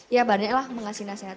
ya barangnya lah mengasih nasihat